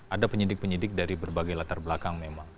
ada penyidik penyidik dari berbagai latar belakang memang